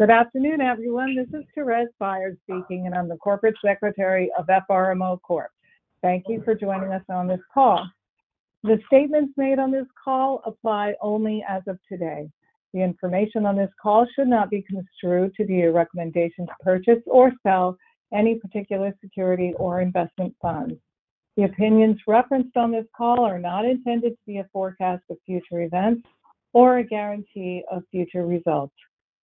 Good afternoon, everyone. This is Thérèse Byars speaking, and I'm the Corporate Secretary of FRMO Corp. Thank you for joining us on this call, the statements made on this call apply only as of today. The information on this call should not be construed to be a recommendation to purchase or sell any particular security or investment funds. The opinions referenced on this call are not intended to be a forecast of future events or a guarantee of future results.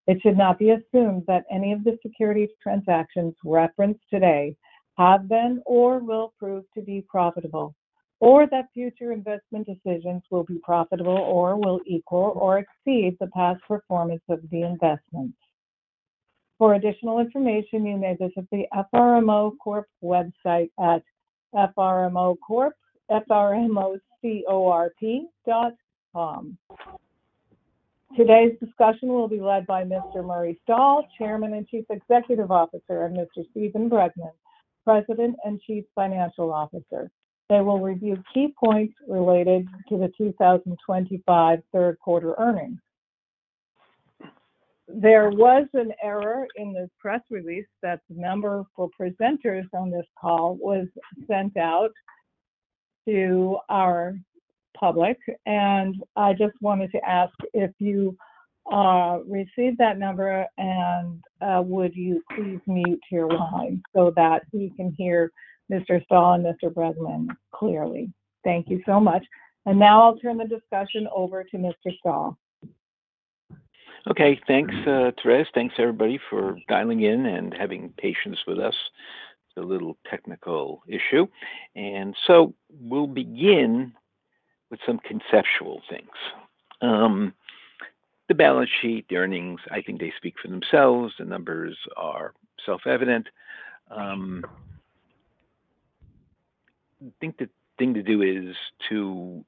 It should not be assumed that any of the securities transactions referenced today have been or will prove to be profitable, or that future investment decisions will be profitable or will equal or exceed the past performance of the investments. For additional information, you may visit the FRMO Corp. website at frmocorp.com. Today's discussion will be led by Mr. Murray Stahl, Chairman and Chief Executive Officer, and Mr. Steven Bregman, President and Chief Financial Officer. They will review key points related to the 2025 Third Quarter Earnings. There was an error in the press release that the number for presenters on this call was sent out to our public, and I just wanted to ask if you received that number, and would you please mute your line so that we can hear Mr. Stahl and Mr. Bregman clearly. Thank you so much, now I'll turn the discussion over to Mr. Stahl. Okay thanks, Thérèse. Thanks, everybody, for dialing in and having patience with us. It's a little technical issue, we'll begin with some conceptual things. The balance sheet, the earnings, I think they speak for themselves. The numbers are self-evident, I think the thing to do is to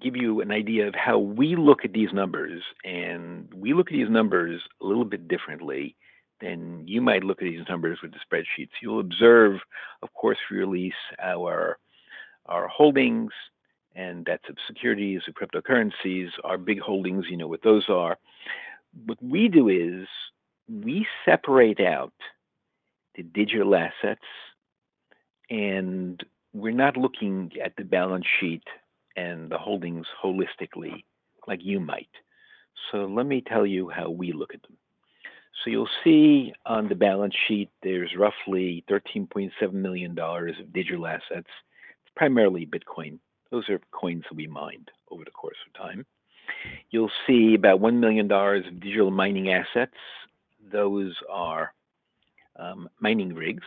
give you an idea of how we look at these numbers. We look at these numbers a little bit differently than you might look at these numbers with the spreadsheets. You'll observe, of course, we release our holdings, and that's of securities, of cryptocurrencies, our big holdings, you know what those are. What we do is we separate out the digital assets, and we're not looking at the balance sheet and the holdings holistically like you might, let me tell you how we look at them. You'll see on the balance sheet there's roughly $13.7 million of digital assets, it's primarily Bitcoin. Those are coins that we mined over the course of time, you'll see about $1 million of digital mining assets. Those are mining rigs,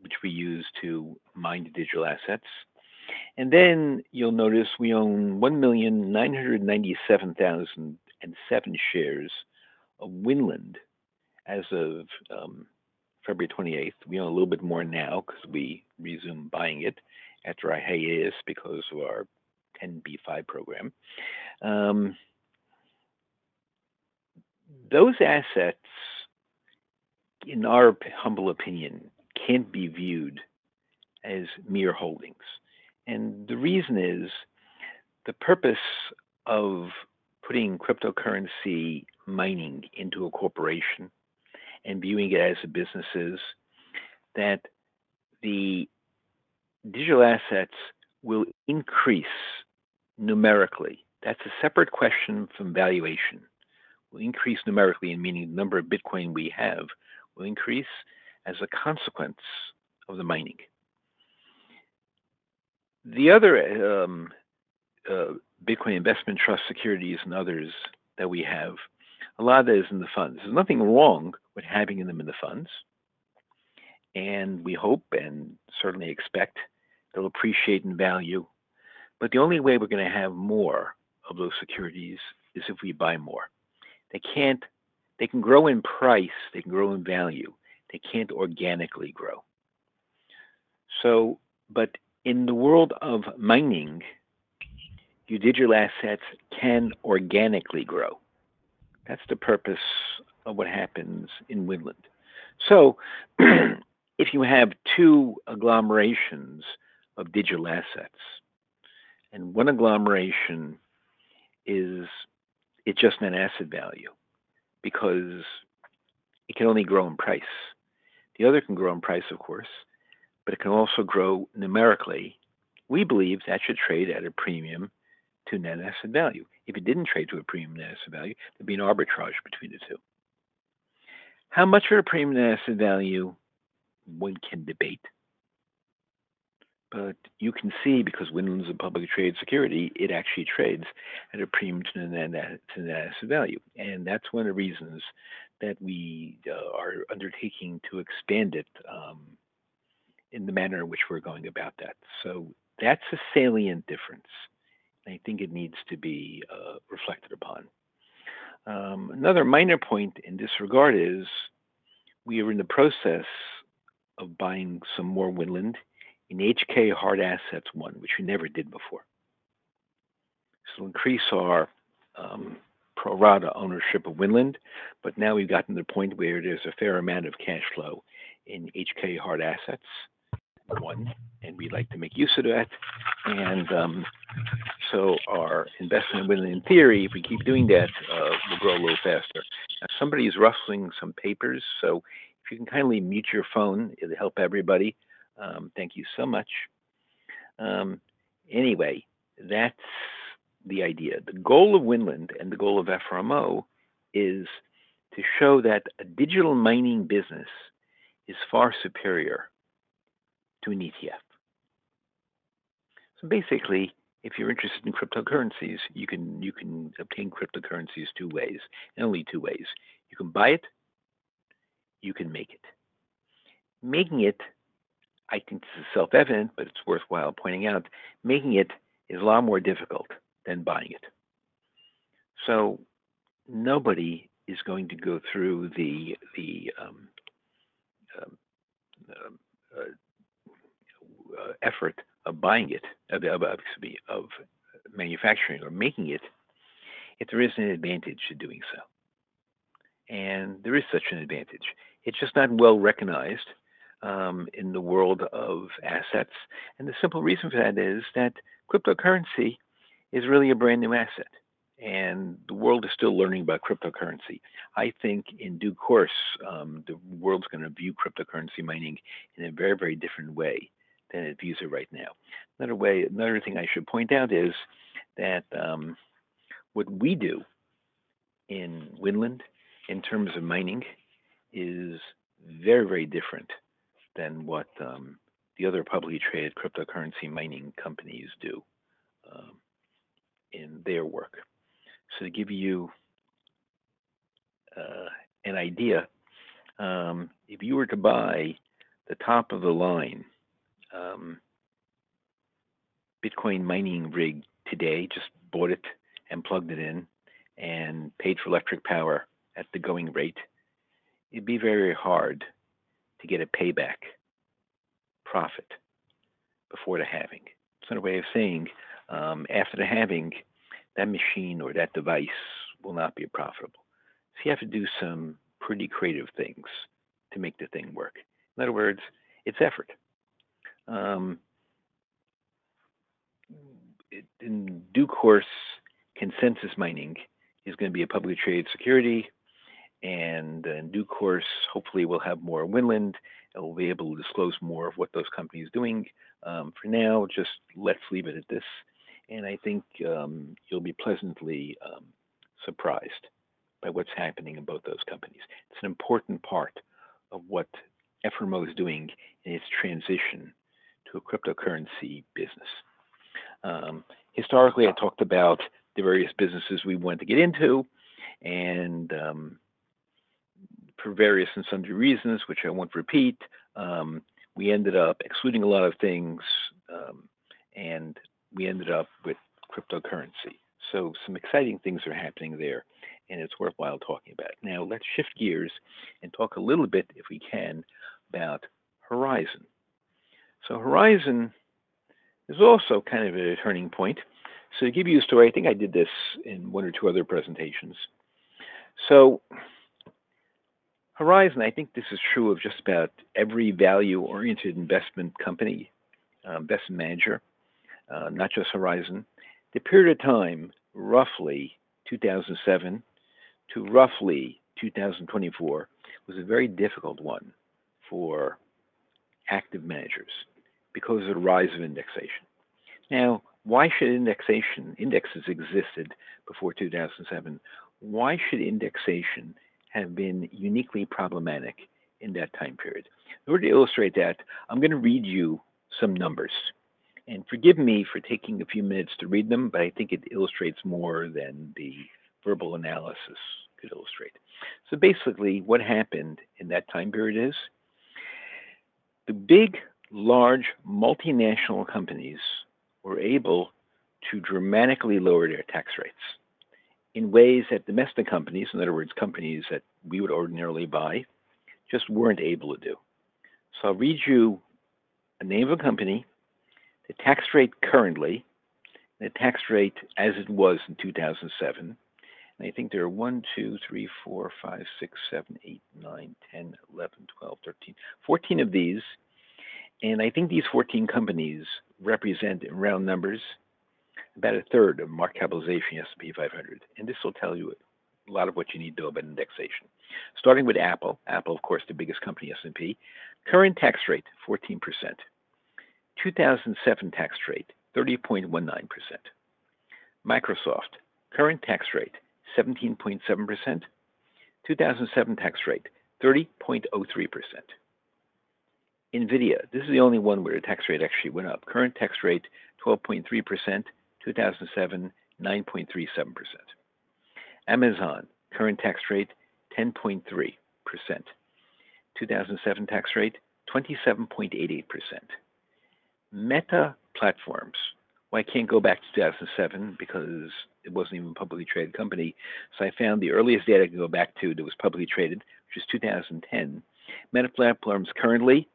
which we use to mine digital assets. You will notice we own 1,997,007 shares of Winland as of February 28th. We own a little bit more now because we resumed buying it after a hiatus because of our 10b5 program. Those assets, in our humble opinion, can't be viewed as mere holdings. The reason is the purpose of putting cryptocurrency mining into a corporation and viewing it as a business is that the digital assets will increase numerically. That's a separate question from valuation, we will increase numerically, meaning the number of Bitcoin we have will increase as a consequence of the mining. The other Bitcoin investment trust securities and others that we have, a lot of that is in the funds. There is nothing wrong with having them in the funds, and we hope and certainly expect they will appreciate in value. The only way we are going to have more of those securities is if we buy more. They can grow in price, they can grow in value. They can't organically grow. In the world of mining, your digital assets can organically grow; that is the purpose of what happens in Winland. If you have two agglomerations of digital assets and one agglomeration is just net asset value because it can only grow in price, the other can grow in price, of course, but it can also grow numerically. We believe that should trade at a premium to net asset value. If it didn't trade to a premium net asset value, there'd be an arbitrage between the two. How much of a premium net asset value one can debate. You can see, because Winland is a publicly traded security, it actually trades at a premium to net asset value. That's one of the reasons that we are undertaking to expand it in the manner in which we're going about that. That's a salient difference, and I think it needs to be reflected upon. Another minor point in this regard is, we are in the process of buying some more Winland in HK Hard Assets I, which we never did before. This will increase our pro-rata ownership of Winland, but now we've gotten to the point where there's a fair amount of cash flow in HK Hard Assets I, and we'd like to make use of that. Our investment in Winland, in theory, if we keep doing that, will grow a little faster. Now, somebody is ruffling some papers, so if you can kindly mute your phone, it'll help everybody, thank you so much. Anyway, that's the idea, the goal of Winland and the goal of FRMO is to show that a digital mining business is far superior to an ETF. Basically, if you're interested in cryptocurrencies, you can obtain cryptocurrencies two ways, and only two ways. You can buy it, you can make it. Making it, I think this is self-evident, but it's worthwhile pointing out, making it is a lot more difficult than buying it. Nobody is going to go through the effort of buying it, excuse me, of manufacturing or making it if there isn't an advantage to doing so, there is such an advantage. It's just not well recognized in the world of assets. The simple reason for that is that cryptocurrency is really a brand new asset, and the world is still learning about cryptocurrency. I think in due course, the world's going to view cryptocurrency mining in a very, very different way than it views it right now. Another thing I should point out is, that what we do in Winland in terms of mining is very, very different than what the other publicly traded cryptocurrency mining companies do in their work. To give you an idea, if you were to buy the top-of-the-line Bitcoin mining rig today, just bought it and plugged it in and paid for electric power at the going rate, it'd be very hard to get a payback profit before the halving. In a way of saying, after the halving, that machine or that device will not be profitable. You have to do some pretty creative things to make the thing work. In other words, it's effort. In due course, Consensus Mining is going to be a publicly traded security, and in due course, hopefully, we'll have more Winland. We'll be able to disclose more of what those companies are doing. For now, just let's leave it at this, I think you'll be pleasantly surprised by what's happening in both those companies. It's an important part of what FRMO is doing in its transition to a cryptocurrency business. Historically, I talked about the various businesses we wanted to get into, and for various and some reasons, which I won't repeat, we ended up excluding a lot of things, and we ended up with cryptocurrency. Some exciting things are happening there, and it's worthwhile talking about it. Now, let's shift gears and talk a little bit, if we can, about Horizon. Horizon is also kind of a turning point. To give you a story, I think I did this in one or two other presentations. Horizon, I think this is true of just about every value-oriented investment company, investment manager, not just Horizon. The period of time, roughly 2007 to roughly 2024, was a very difficult one for active managers because of the rise of indexation. Now, why should indexes exist before 2007? Why should indexation have been uniquely problematic in that time period? In order to illustrate that, I'm going to read you some numbers. Forgive me for taking a few minutes to read them, but I think it illustrates more than the verbal analysis could illustrate. Basically, what happened in that time period is the big, large, multinational companies were able to dramatically lower their tax rates in ways that domestic companies, in other words, companies that we would ordinarily buy, just were not able to do. I will read you the name of a company, the tax rate currently, and the tax rate as it was in 2007. I think there are 1, 2, 3, 4, 5, 6, 7, 8, 9, 10, 11, 12, 13, 14 of these. I think these 14 companies represent, in round numbers, about a third of market capitalization of the S&P 500. This will tell you a lot of what you need to know about indexation. Starting with Apple. Apple, of course, the biggest company in the S&P. Current tax rate: 14%; 2007 tax rate: 30.19%. Microsoft, current tax rate: 17.7%; 2007 tax rate: 30.03%. NVIDIA. This is the only one where the tax rate actually went up, current tax rate: 12.3%; 2007: 9.37%. Amazon, current tax rate: 10.3%; 2007 tax rate: 27.88%. Meta Platforms, I can't go back to 2007 because it was not even a publicly traded company. I found the earliest data I can go back to that was publicly traded, which was 2010. Meta Platforms currently: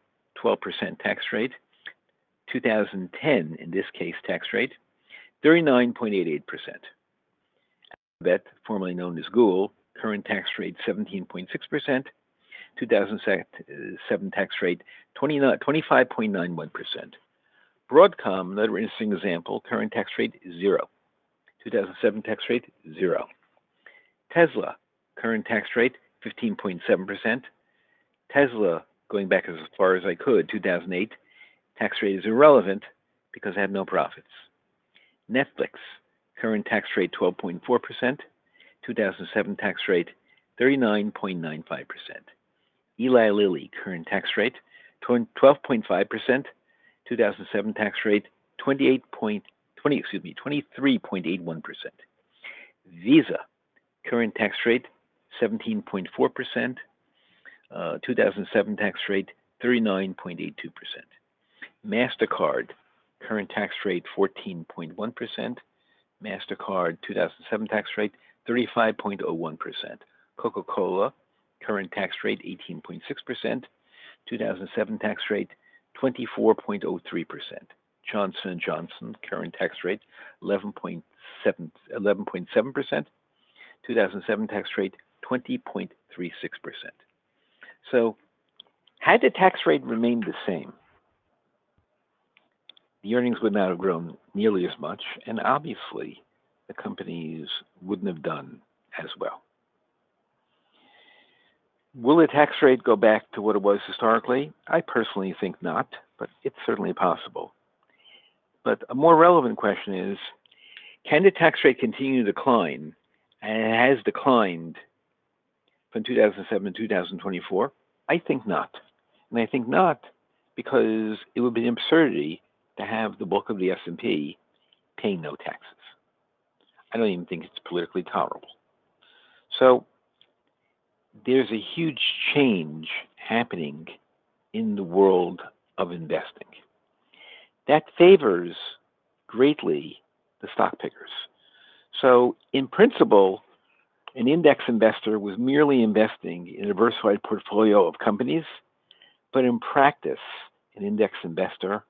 12% tax rate 2010; in this case, tax rate: 39.88%. Alphabet, formerly known as Google, current tax rate: 17.6%; 2007 tax rate: 25.91%. Broadcom, another interesting example, current tax rate: 0; 2007 tax rate: 0. Tesla, current tax rate: 15.7%. Tesla, going back as far as I could, 2008, tax rate is irrelevant because it had no profits. Netflix, current tax rate: 12.4%; 2007 tax rate: 39.95%. Eli Lilly, current tax rate: 12.5%; 2007 tax rate: 23.81%. Visa, current tax rate: 17.4%. 2007 tax rate: 39.82%. Mastercard, current tax rate: 14.1%; Mastercard, 2007 tax rate: 35.01%. Coca-Cola, current tax rate: 18.6%; 2007 tax rate: 24.03%. Johnson & Johnson, current tax rate: 11.7%; 2007 tax rate: 20.36%. Had the tax rate remained the same, the earnings would not have grown nearly as much, and, obviously, the companies wouldn't have done as well. Will the tax rate go back to what it was historically? I personally think not, but it's certainly possible. A more relevant question is, can the tax rate continue to decline? It has declined from 2007-2024. I think not, I think not because it would be an absurdity to have the bulk of the S&P paying no taxes, I don't even think it's politically tolerable. There is a huge change happening in the world of investing that favors greatly the stock pickers. In principle, an index investor was merely investing in a diversified portfolio of companies, but in practice, an index investor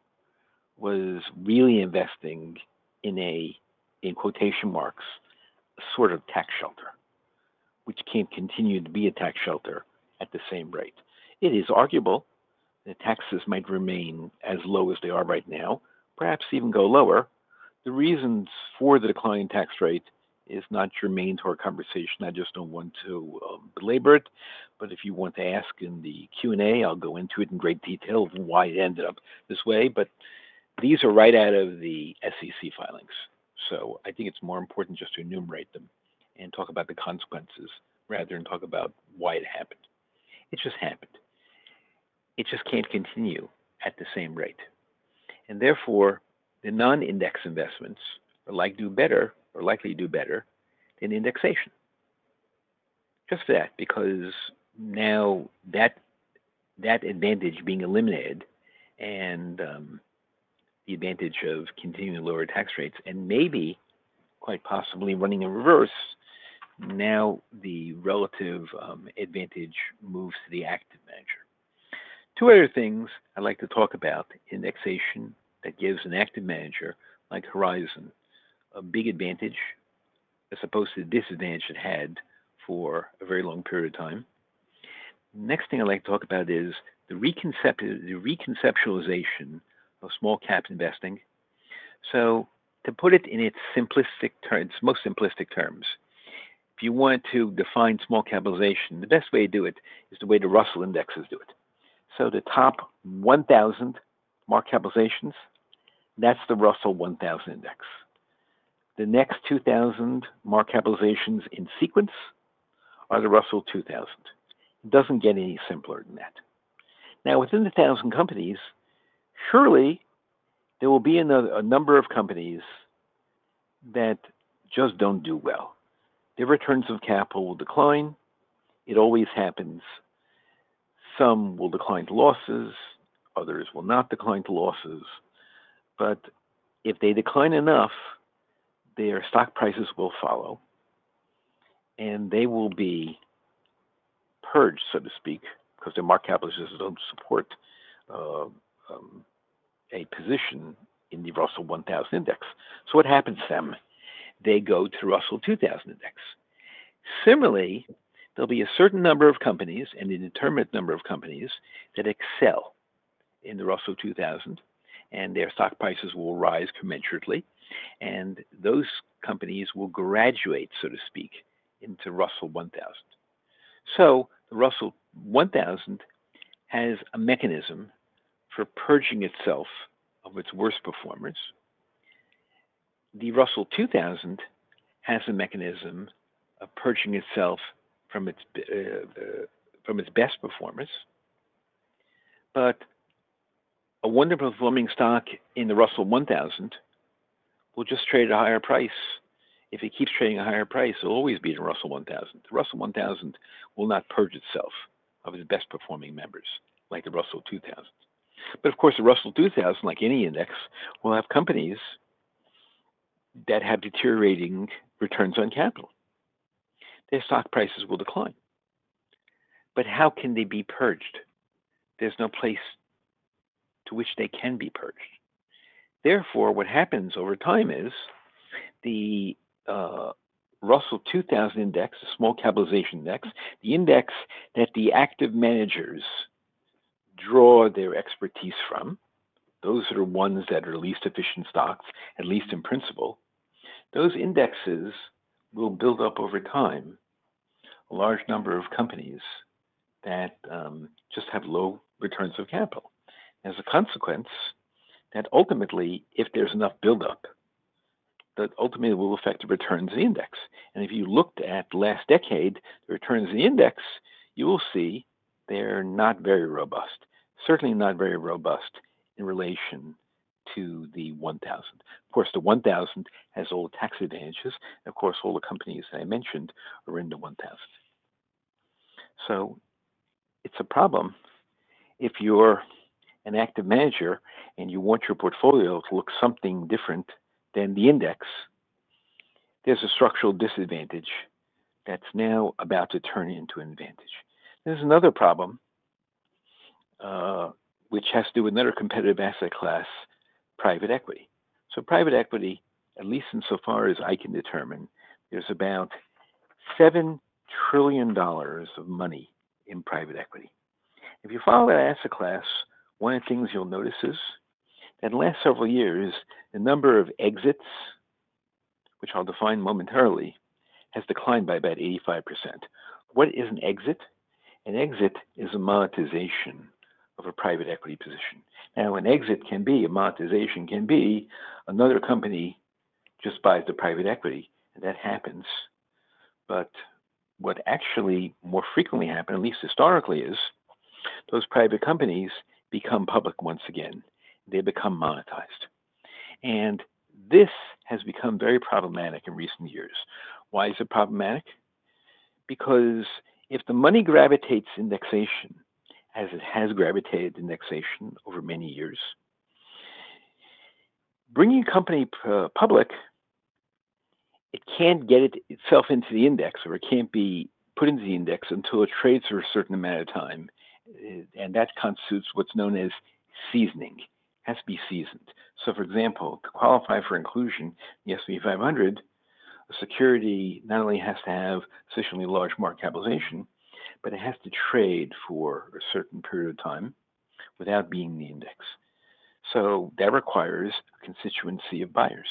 was really investing in a, in quotation marks, sort of tax shelter, which can't continue to be a tax shelter at the same rate. It is arguable that taxes might remain as low as they are right now, perhaps even go lower. The reasons for the declining tax rate are not germane to our conversation. I just do not want to belabor it, but if you want to ask in the Q&A, I will go into it in great detail of why it ended up this way. These are right out of the SEC filings, I think it is more important just to enumerate them and talk about the consequences rather than talk about why it happened. It just happened, it just can't continue at the same rate. Therefore, the non-index investments are likely to do, better than indexation. Just that, because now that advantage being eliminated and the advantage of continuing to lower tax rates and maybe, quite possibly, running in reverse, now the relative advantage moves to the active manager. Two other things I'd like to talk about: indexation that gives an active manager like Horizon a big advantage as opposed to the disadvantage it had for a very long period of time. The next thing I'd like to talk about is the reconceptualization of small-cap investing. To put it in its simplistic terms, its most simplistic terms, if you want to define small capitalization, the best way to do it is the way the Russell indexes do it. The top 1,000 market capitalizations, that's the Russell 1000 index. The next 2,000 market capitalizations in sequence are the Russell 2000. It doesn't get any simpler than that. Now, within the 1,000 companies, surely there will be a number of companies that just don't do well. Their returns of capital will decline, It always happens. Some will decline to losses, others will not decline to losses. If they decline enough, their stock prices will follow, and they will be purged, so to speak, because their market capitalizations don't support a position in the Russell 1000 index. What happens to them? They go to the Russell 2000 index. Similarly, there will be a certain number of companies and an indeterminate number of companies that excel in the Russell 2000, and their stock prices will rise commensurately. Those companies will graduate, so to speak, into Russell 1000. The Russell 1000 has a mechanism for purging itself of its worst performance. The Russell 2000 has a mechanism of purging itself from its best performance. A wonderful-performing stock in the Russell 1000 will just trade at a higher price. If it keeps trading at a higher price, it'll always be in the Russell 1000. The Russell 1000 will not purge itself of its best-performing members like the Russell 2000. Of course, the Russell 2000, like any index, will have companies that have deteriorating returns on capital. Their stock prices will decline, how can they be purged? There's no place to which they can be purged. Therefore, what happens over time is the Russell 2000 index, the small capitalization index, the index that the active managers draw their expertise from, those that are ones that are least efficient stocks, at least in principle, those indexes will build up over time a large number of companies that just have low returns of capital. As a consequence, that ultimately, if there's enough buildup, that ultimately will affect the returns of the index. If you looked at last decade, the returns of the index, you will see they're not very robust, certainly not very robust in relation to the 1000. Of course, the 1000 has all the tax advantages. Of course, all the companies that I mentioned are in the 1000, it is a problem. If you're an active manager and you want your portfolio to look something different than the index, there's a structural disadvantage, that's now about to turn into an advantage. There's another problem, which has to do with another competitive asset class, private equity. Private equity, at least insofar as I can determine, there's about $7 trillion of money in private equity. If you follow that asset class, one of the things you'll notice is that in the last several years, the number of exits, which I'll define momentarily, has declined by about 85%. What is an Exit? An Exit is a monetization of a private equity position. Now, an Exit can be a monetization, can be another company just buys the private equity. That happens, what actually more frequently happens, at least historically, is those private companies become public once again, they become monetized. This has become very problematic in recent years. Why is it problematic? Because if the money gravitates to indexation, as it has gravitated to indexation over many years, bringing a company public, it can't get itself into the index, or it can't be put into the index until it trades for a certain amount of time. That constitutes what is known as seasoning; it has to be seasoned. For example, to qualify for inclusion in the S&P 500, a security not only has to have sufficiently large market capitalization, but it has to trade for a certain period of time without being in the index. That requires a constituency of buyers.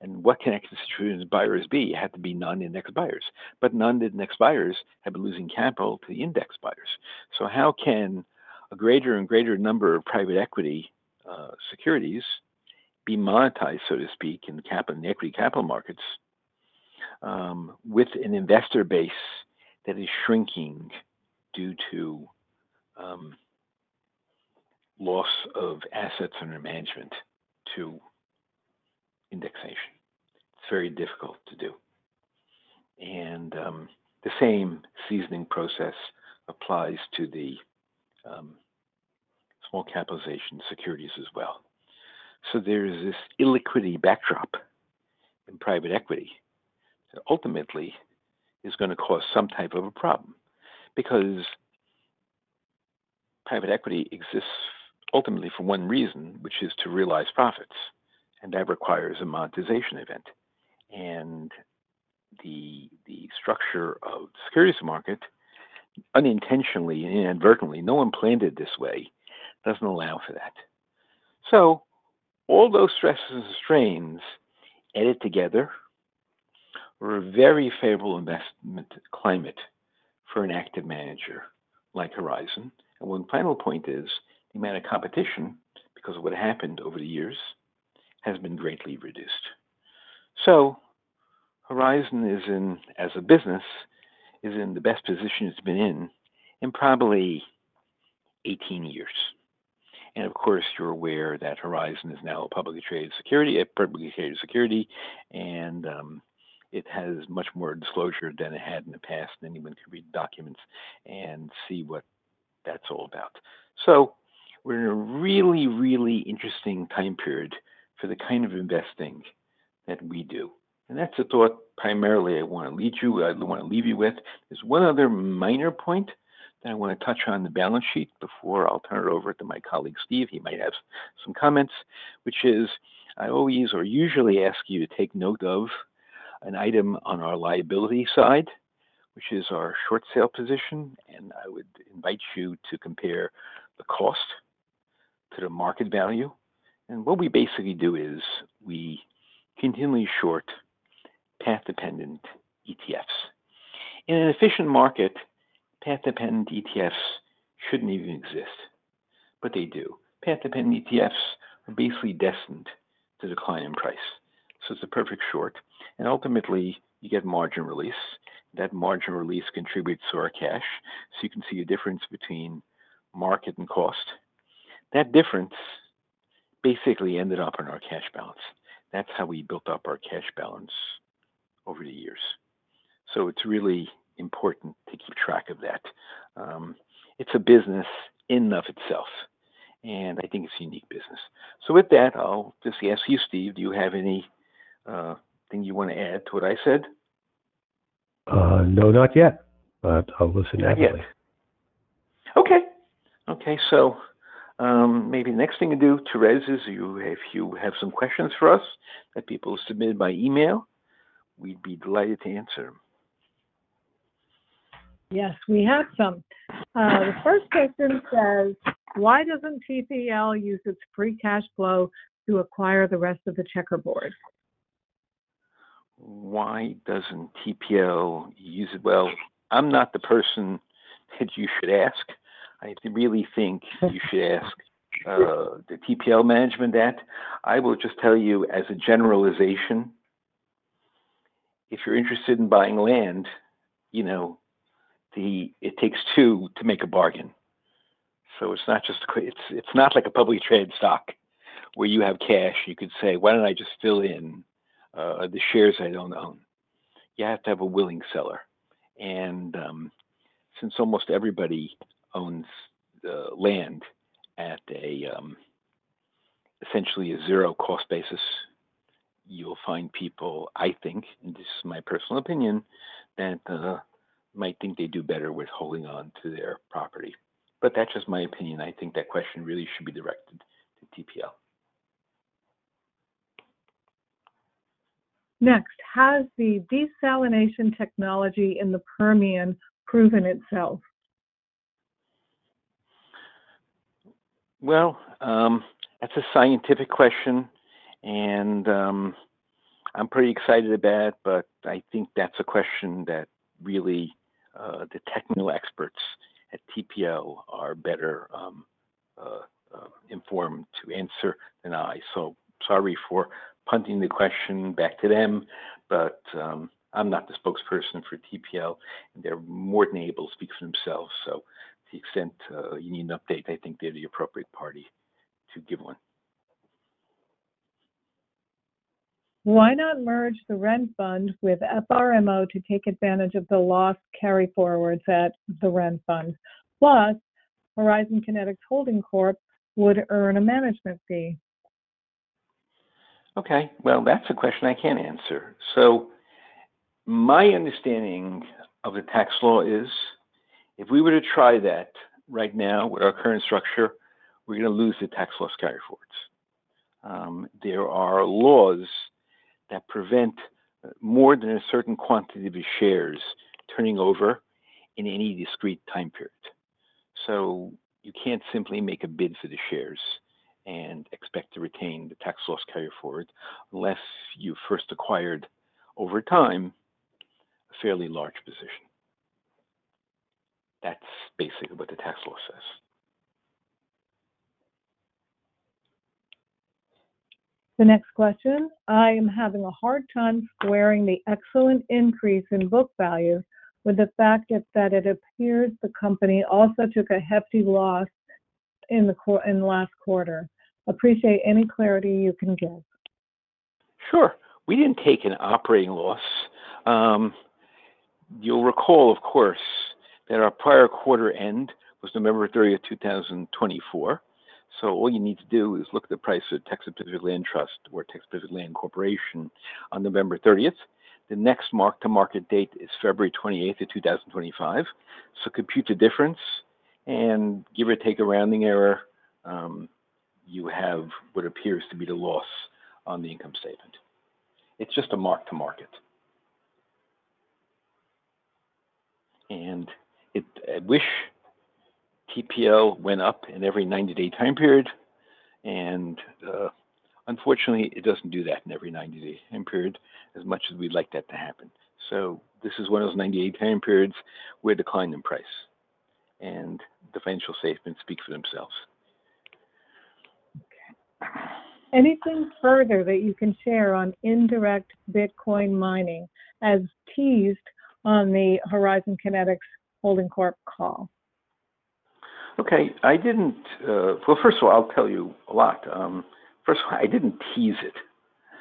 What can a constituency of buyers be? It had to be non-index buyers, non-index buyers have been losing capital to the index buyers. How can a greater and greater number of private equity securities be monetized, so to speak, in the equity capital markets with an investor base that is shrinking due to loss of assets under management to indexation? It's very difficult to do. The same seasoning process applies to the small capitalization securities as well. There is this illiquidity backdrop in private equity that ultimately is going to cause some type of a problem because private equity exists ultimately for one reason, which is to realize profits. That requires a monetization event, the structure of the securities market, unintentionally and inadvertently, no one planned it this way, doesn't allow for that. All those stresses and strains added together are a very favorable investment climate for an active manager like Horizon. One final point is the amount of competition, because of what happened over the years, has been greatly reduced. Horizon is in, as a business, in the best position it has been in in probably 18 years. Of course, you are aware that Horizon is now a publicly traded security. It is a publicly traded security, and it has much more disclosure than it had in the past, anyone can read the documents and see what that is all about. We are in a really, really interesting time period for the kind of investing that we do. That is the thought primarily I want to leave you with, there is one other minor point that I want to touch on the balance sheet before I will turn it over to my colleague, Steve. He might have some comments, which is I always or usually ask you to take note of an item on our liability side, which is our short sale position. I would invite you to compare the cost to the market value. What we basically do is we continually short path-dependent ETFs. In an efficient market, path-dependent ETFs should not even exist, but they do. Path-dependent ETFs are basically destined to decline in price, it is a perfect short. Ultimately, you get margin release, that margin release contributes to our cash. You can see a difference between market and cost, that difference basically ended up on our cash balance. That is how we built up our cash balance over the years, it is really important to keep track of that. It is a business in and of itself, and I think it is a unique business. With that, I'll just ask you, Steve, do you have anything you want to add to what I said? No, not yet, but I'll listen happily. Not yet? Okay, okay. Maybe the next thing to do, Thérèse, is if you have some questions for us that people submit by email, we'd be delighted to answer. Yes, we have some. The first question says, "why doesn't TPL use its free cash flow to acquire the rest of the checkerboard?" Why doesn't TPL use it? I'm not the person that you should ask. I really think you should ask the TPL management that. I will just tell you as a generalization, if you're interested in buying land, it takes two to make a bargain. It's not like a publicly traded stock where you have cash, you could say, "Why don't I just fill in the shares I don't own?" You have to have a willing seller, since almost everybody owns land at essentially a zero-cost basis, you'll find people, I think, and this is my personal opinion, that might think they do better with holding on to their property. That's just my opinion, I think that question really should be directed to TPL. Next, "has the desalination technology in the Permian proven itself?" That is a scientific question, and I'm pretty excited about it, but I think that is a question that really the technical experts at TPL are better informed to answer than I. Sorry for punting the question back to them, I'm not the spokesperson for TPL, and they are more than able to speak for themselves. To the extent you need an update, I think they are the appropriate party to give one. "Why not merge the REN Fund with FRMO to take advantage of the loss carry forwards at the REN Fund? Plus, Horizon Kinetics Holding Corp. would earn a management fee". Okay, that's a question I can answer. My understanding of the tax law is if we were to try that right now with our current structure, we're going to lose the tax loss carry forwards. There are laws that prevent more than a certain quantity of shares turning over in any discrete time period. You can't simply make a bid for the shares and expect to retain the tax loss carry forward unless you first acquired over time a fairly large position, that's basically what the tax law says. The next question, "I am having a hard time squaring the excellent increase in book value with the fact that it appears the company also took a hefty loss in the last quarter, appreciate any clarity you can give." Sure, we didn't take an operating loss. You'll recall, of course, that our prior quarter-end was November 30, 2024. All you need to do is look at the price of Texas Pacific Land Corporation on November 30th. The next mark-to-market date is February 28, 2025. Compute the difference, and give or take a rounding error, you have what appears to be the loss on the income statement. It's just a mark-to-market. I wish TPL went up in every 90-day time period. Unfortunately, it doesn't do that in every 90-day time period as much as we'd like that to happen. This is one of those 90-day time periods where it declined in price, the financial statements speak for themselves. "Anything further that you can share on indirect Bitcoin mining as teased on the Horizon Kinetics Holding Corp. call?" Okay, first of all, I'll tell you a lot. First of all, I didn't tease it.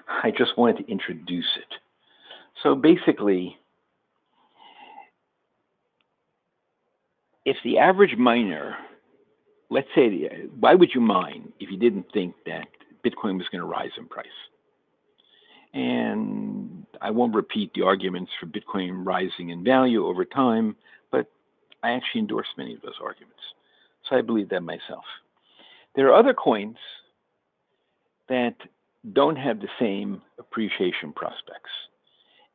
I just wanted to introduce it. Basically, if the average miner, let's say, why would you mine if you didn't think that Bitcoin was going to rise in price? I won't repeat the arguments for Bitcoin rising in value over time, but I actually endorse many of those arguments. I believe that myself. There are other coins that don't have the same appreciation prospects.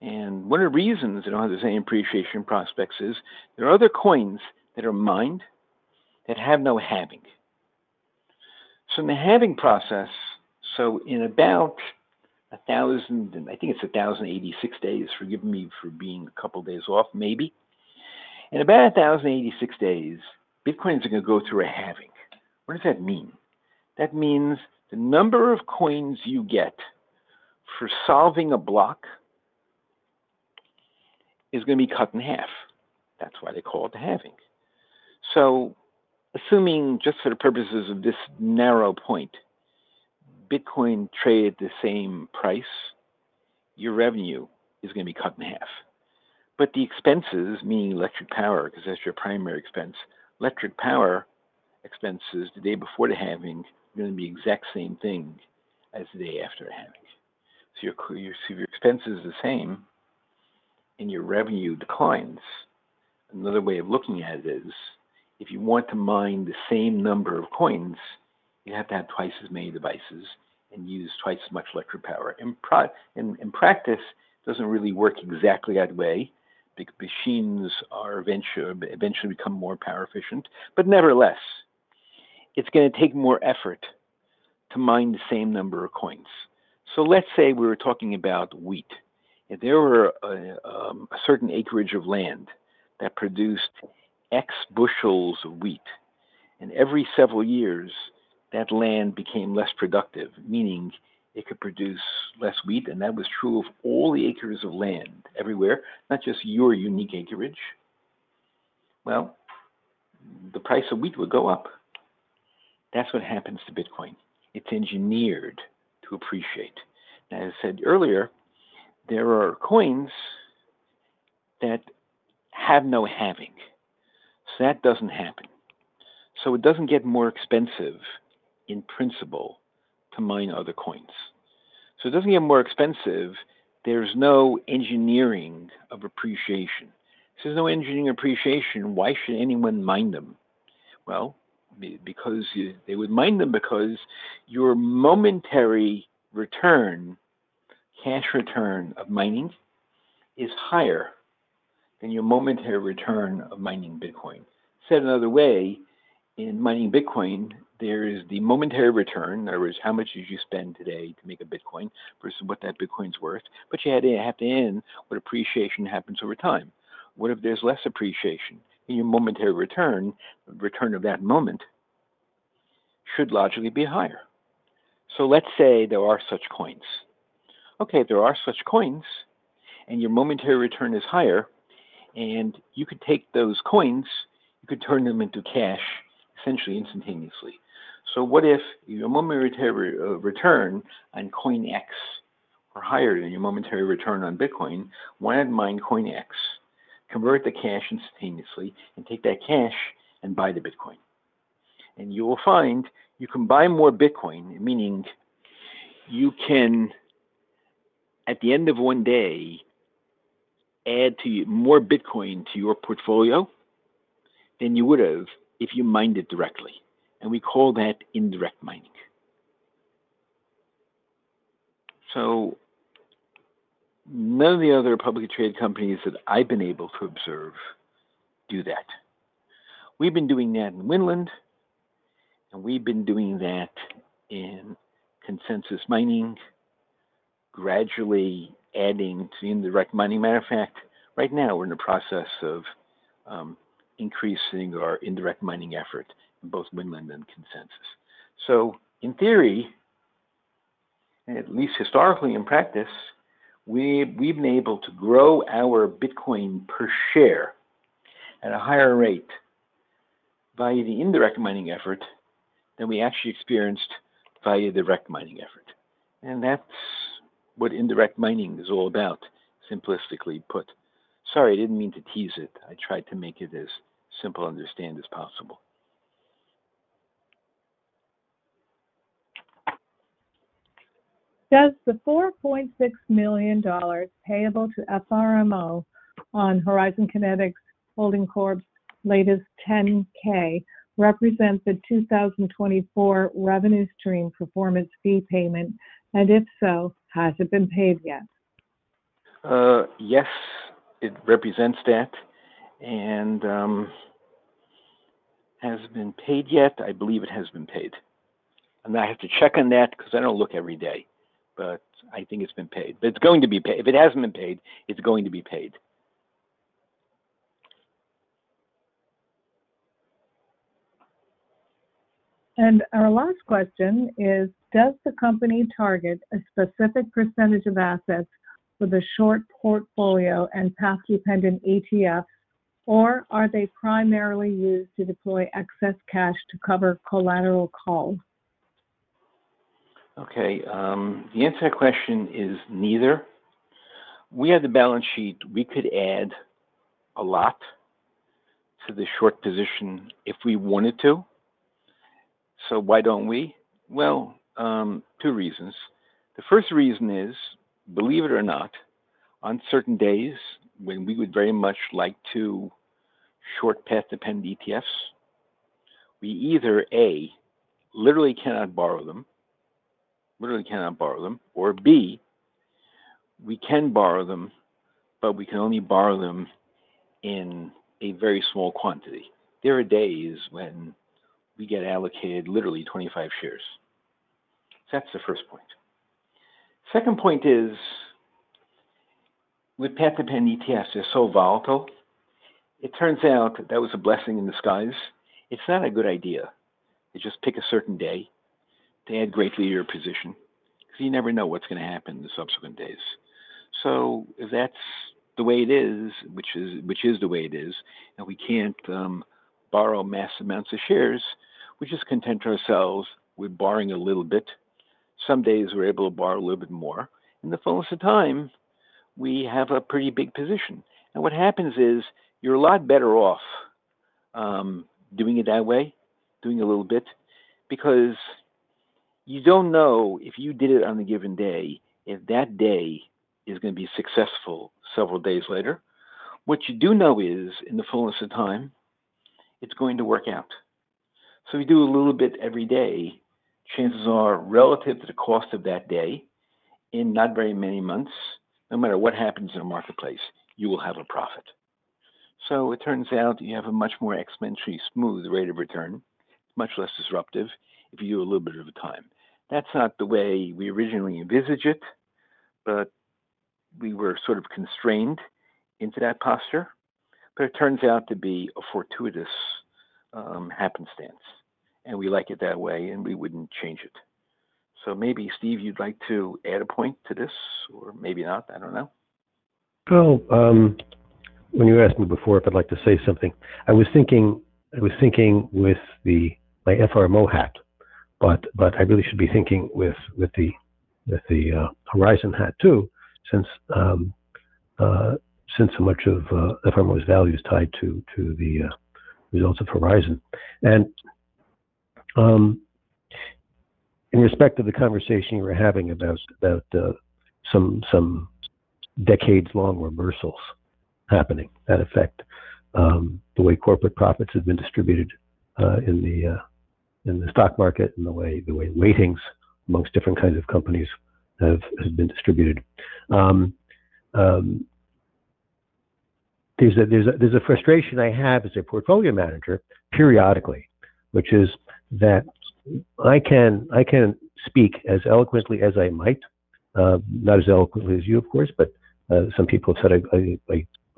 One of the reasons they don't have the same appreciation prospects is there are other coins that are mined that have no halving. In the halving process, in about 1,000, and I think it's 1,086 days. Forgive me for being a couple of days off, maybe. In about 1,086 days, Bitcoin is going to go through a halving, what does that mean? That means the number of coins you get for solving a block is going to be cut in half, that is why they call it the halving. Assuming just for the purposes of this narrow point, Bitcoin traded at the same price, your revenue is going to be cut in half. The expenses, meaning electric power, because that is your primary expense, electric power expenses the day before the halving are going to be the exact same thing as the day after the halving. Your expense is the same, and your revenue declines. Another way of looking at it is if you want to mine the same number of coins, you have to have twice as many devices and use twice as much electric power. In practice, it does not really work exactly that way, the machines eventually become more power efficient. Nevertheless, it's going to take more effort to mine the same number of coins. Let's say we were talking about wheat, there were a certain acreage of land that produced X bushels of wheat. Every several years, that land became less productive, meaning it could produce less wheat. That was true of all the acres of land everywhere, not just your unique acreage. The price of wheat would go up, that's what happens to Bitcoin. It's engineered to appreciate, as I said earlier, there are coins that have no halving. That doesn't happen, it doesn't get more expensive in principle to mine other coins. It doesn't get more expensive, there's no engineering of appreciation. If there's no engineering of appreciation, why should anyone mine them? Because they would mine them because your momentary return, cash return of mining, is higher than your momentary return of mining Bitcoin. Said another way, in mining Bitcoin, there is the momentary return, in other words, how much did you spend today to make a Bitcoin versus what that Bitcoin's worth. You have to end what appreciation happens over time, what if there is less appreciation? Your momentary return, return of that moment, should logically be higher. Let's say there are such coins, okay, if there are such coins and your momentary return is higher, and you could take those coins, you could turn them into cash essentially instantaneously. What if your momentary return on coin X were higher than your momentary return on Bitcoin? Why not mine coin X, convert the cash instantaneously, and take that cash and buy the Bitcoin? You will find you can buy more Bitcoin, meaning you can, at the end of one day, add more Bitcoin to your portfolio than you would have if you mined it directly. We call that indirect mining, none of the other publicly traded companies that I've been able to observe do that. We've been doing that in Winland, and we've been doing that in Consensus Mining, gradually adding to indirect mining. Matter of fact, right now, we're in the process of increasing our indirect mining effort in both Winland and Consensus. In theory, at least historically in practice, we've been able to grow our Bitcoin per share at a higher rate via the indirect mining effort than we actually experienced via the direct mining effort. That's what indirect mining is all about, simplistically put. Sorry, I didn't mean to tease it, I tried to make it as simple to understand as possible. "Does the $4.6 million payable to FRMO on Horizon Kinetics Holding Corp. latest 10-K represent the 2024 revenue stream performance fee payment? If so, has it been paid yet?" Yes, it represents that, has it been paid yet? I believe it has been paid. I have to check on that because I do not look every day, but I think it has been paid. It is going to be paid, if it has not been paid, it is going to be paid. Our last question is, "does the company target a specific percentage of assets for the short portfolio and path-dependent ETFs, or are they primarily used to deploy excess cash to cover collateral calls?" Okay, the answer to that question is neither. We have the balance sheet, we could add a lot to the short position if we wanted to. Why do not we? Two reasons. The first reason is, believe it or not, on certain days when we would very much like to short path-dependent ETFs, we either, A, literally cannot borrow them, literally cannot borrow them, or, B, we can borrow them, but we can only borrow them in a very small quantity. There are days when we get allocated literally 25 shares, that is the first point. Second point, is with path-dependent ETFs, they are so volatile. It turns out that was a blessing in disguise, it is not a good idea to just pick a certain day to add greatly to your position, because you never know what is going to happen in the subsequent days. If that's the way it is, which is the way it is, and we can't borrow mass amounts of shares, we just content ourselves with borrowing a little bit. Some days we're able to borrow a little bit more. In the fullest of time, we have a pretty big position. What happens is you're a lot better off doing it that way, doing a little bit, because you don't know if you did it on a given day if that day is going to be successful several days later. What you do know is in the fullest of time, it's going to work out. If you do a little bit every day, chances are relative to the cost of that day, in not very many months, no matter what happens in the marketplace, you will have a profit. It turns out you have a much more exponentially smooth rate of return, much less disruptive if you do a little bit at a time. That is not the way we originally envisaged it, but we were sort of constrained into that posture. It turns out to be a fortuitous happenstance, and we like it that way, and we would not change it. Maybe, Steve, you would like to add a point to this, or maybe not, I do not know. When you asked me before if I'd like to say something, I was thinking with my FRMO hat, but I really should be thinking with the Horizon hat too since so much of FRMO's value is tied to the results of Horizon. In respect of the conversation you were having about some decades-long reversals happening, that effect, the way corporate profits have been distributed in the stock market and the way weightings amongst different kinds of companies have been distributed. There's a frustration I have as a portfolio manager periodically, which is that I can speak as eloquently as I might, not as eloquently as you, of course, but some people have said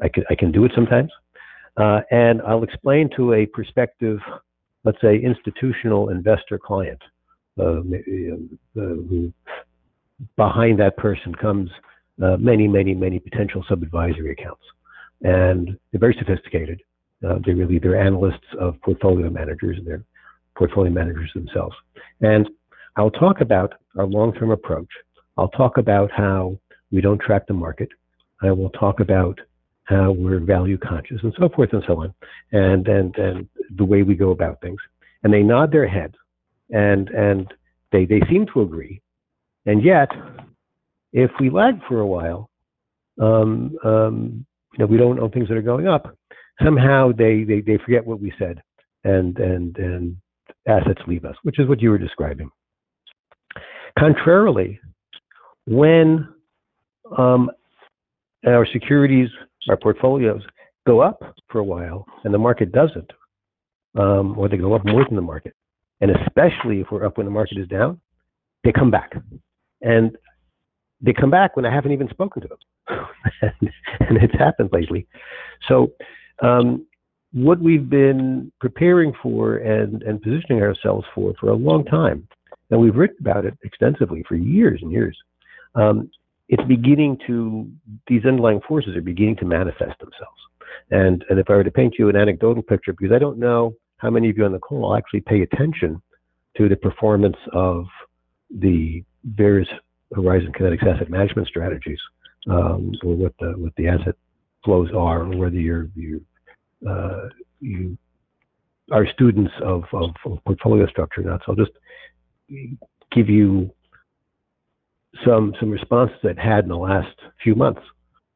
I can do it sometimes. I'll explain to a prospective, let's say, institutional investor client. Behind that person comes many, many, many potential sub-advisory accounts, they're very sophisticated. They're analysts of portfolio managers, and they're portfolio managers themselves, I will talk about our long-term approach. I will talk about how we don't track the market, I will talk about how we're value-conscious and so forth and so on, and the way we go about things. They nod their head, and they seem to agree. Yet, if we lag for a while, we don't know things that are going up. Somehow, they forget what we said, and assets leave us, which is what you were describing. Contrarily, when our securities, our portfolios go up for a while and the market doesn't, or they go up more than the market, and especially if we're up when the market is down, they come back. They come back when I haven't even spoken to them, it's happened lately. What we have been preparing for and positioning ourselves for for a long time, and we have written about it extensively for years and years, these underlying forces are beginning to manifest themselves. If I were to paint you an anecdotal picture, because I do not know how many of you on the call will actually pay attention to the performance of the various Horizon Kinetics Asset Management strategies or what the asset flows are, or whether you are students of portfolio structure or not. I will just give you some responses I have had in the last few months.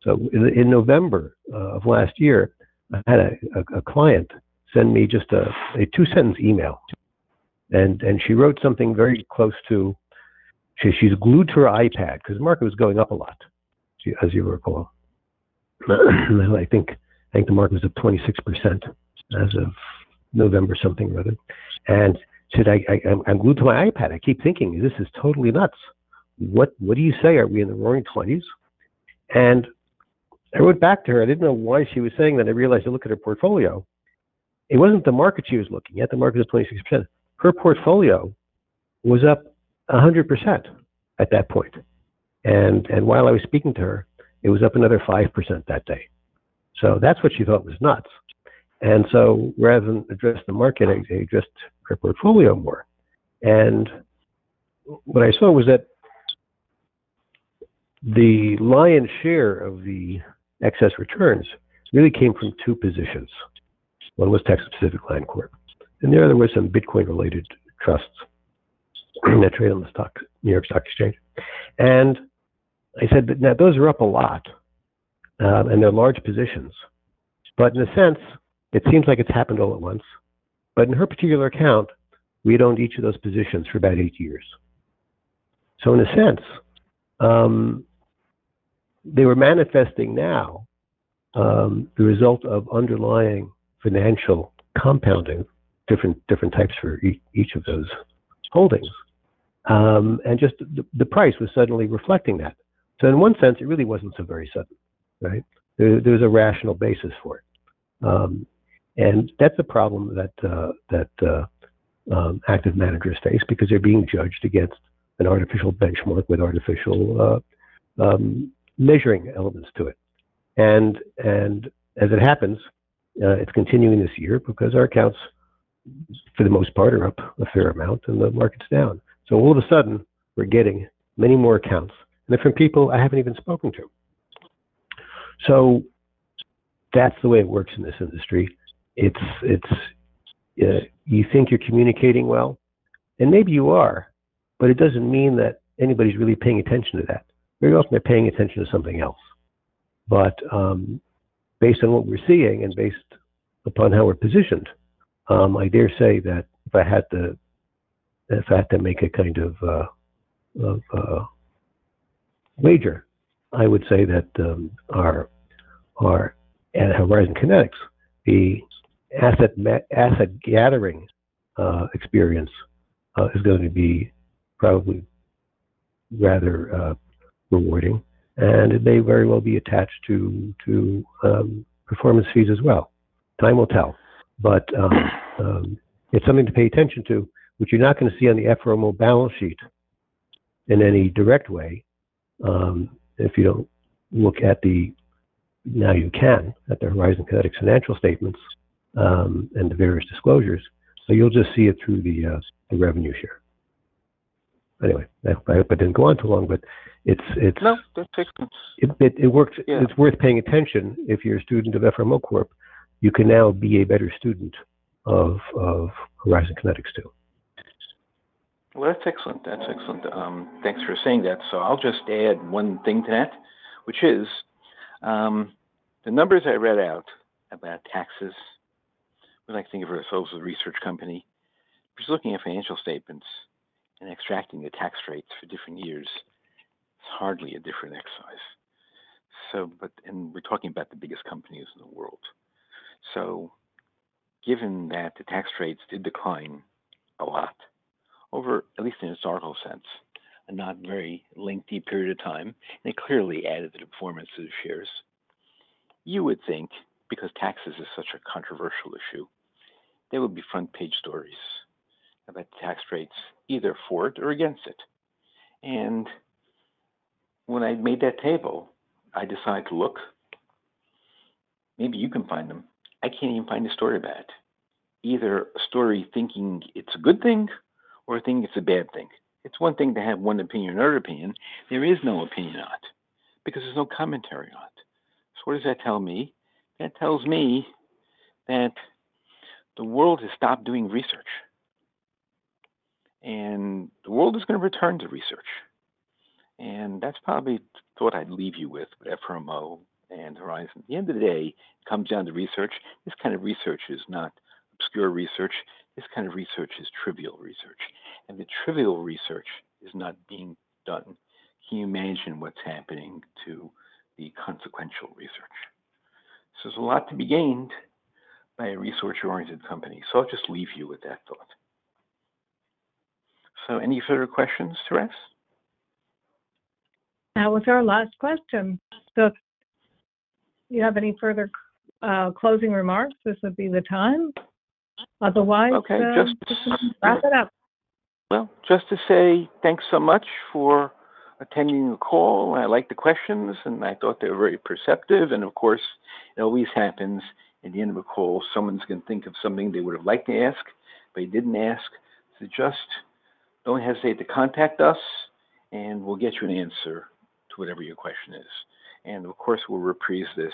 In November of last year, I had a client send me just a two-sentence email. She wrote something very close to she is glued to her iPad because the market was going up a lot, as you recall. I think the market was up 26% as of November something, rather. She said, "I'm glued to my iPad, I keep thinking, this is totally nuts. What do you say? Are we in the roaring 20s?'" I wrote back to her, I didn't know why she was saying that. I realized to look at her portfolio, it wasn't the market she was looking at, the market was up 26%. Her portfolio was up 100% at that point. While I was speaking to her, it was up another 5% that day. That is what she thought was nuts, rather than address the market, I addressed her portfolio more. What I saw was that the lion's share of the excess returns really came from two positions. One was Texas Pacific Land Corp., the other was some Bitcoin-related trusts that trade on the New York Stock Exchange. I said, "Now, those are up a lot, and they're large positions. In a sense, it seems like it's happened all at once." In her particular account, we owned each of those positions for about eight years. In a sense, they were manifesting now the result of underlying financial compounding, different types for each of those holdings, the price was suddenly reflecting that. In one sense, it really wasn't so very sudden, right? There was a rational basis for it. That's a problem that active managers face because they're being judged against an artificial benchmark with artificial measuring elements to it. As it happens, it's continuing this year because our accounts, for the most part, are up a fair amount, and the market's down. All of a sudden, we're getting many more accounts and from people I haven't even spoken to. That's the way it works in this industry, you think you're communicating well, and maybe you are, but it doesn't mean that anybody's really paying attention to that. Very often, they're paying attention to something else. Based on what we're seeing and based upon how we're positioned, I dare say that if I had to make a kind of wager, I would say that at Horizon Kinetics, the asset gathering experience is going to be probably rather rewarding. It may very well be attached to performance fees as well. Time will tell, it's something to pay attention to, which you're not going to see on the FRMO balance sheet in any direct way if you don't look at the, now you can at the Horizon Kinetics financial statements and the various disclosures. You'll just see it through the revenue share. Anyway, I hope I didn't go on too long, but it's. No, that's excellent. It's worth paying attention. If you're a student of FRMO Corp., you can now be a better student of Horizon Kinetics too. That's excellent, that's excellent. Thanks for saying that, I'll just add one thing to that, which is the numbers I read out about taxes. We like to think of ourselves as a research company. Just looking at financial statements and extracting the tax rates for different years, it's hardly a different exercise. We're talking about the biggest companies in the world. Given that the tax rates did decline a lot, at least in a historical sense, in a not very lengthy period of time, they clearly added to the performance of the shares. You would think, because taxes is such a controversial issue, there would be front-page stories about the tax rates either for it or against it. When I made that table, I decided to look, maybe you can find them, I can't even find a story about it. Either a story thinking it's a good thing or thinking it's a bad thing. It's one thing to have one opinion or another opinion. There is no opinion on it, because there's no commentary on it. What does that tell me? That tells me that the world has stopped doing research, and the world is going to return to research. That's probably the thought I'd leave you with with FRMO and Horizon. At the end of the day, it comes down to research, this kind of research is not obscure research. This kind of research is trivial research, and the trivial research is not being done. Can you imagine what's happening to the consequential research? There is a lot to be gained by a research-oriented company. I'll just leave you with that thought, any further questions to ask? That was our last question. If you have any further closing remarks, this would be the time, otherwise. Okay, just. Wrap it up. Thank you so much for attending the call, I liked the questions, and I thought they were very perceptive. Of course, it always happens at the end of a call, someone's going to think of something they would have liked to ask, but they did not ask. Just do not hesitate to contact us, and we will get you an answer to whatever your question is. Of course, we will reprise this